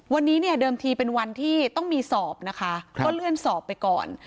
วันนี้เนี่ยเดิมทีเป็นวันที่ต้องมีสอบนะคะก็เลื่อนสอบไปก่อน